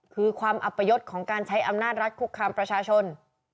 คือความอัปยศของการใช้อำนาจรัฐคุกคามประชาชน